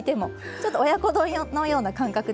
ちょっと親子丼のような感覚でね。